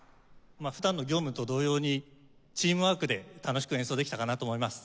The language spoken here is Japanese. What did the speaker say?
普段の業務と同様にチームワークで楽しく演奏できたかなと思います。